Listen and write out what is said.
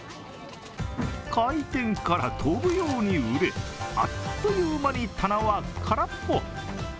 開店から飛ぶように売れ、あっという間に棚は空っぽ。